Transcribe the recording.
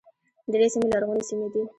ډېرې سیمې لرغونې سیمې دي.